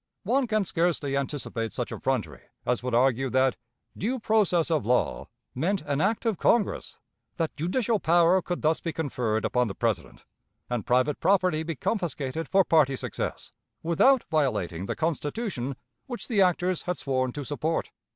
One can scarcely anticipate such effrontery as would argue that "due process of law" meant an act of Congress, that judicial power could thus be conferred upon the President, and private property be confiscated for party success, without violating the Constitution which the actors had sworn to support.